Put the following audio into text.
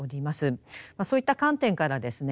そういった観点からですね